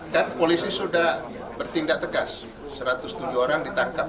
kan polisi sudah bertindak tegas satu ratus tujuh orang ditangkap